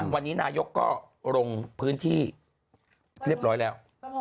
วันนี้นายกก็ลงพื้นที่เรียบร้อยแล้ว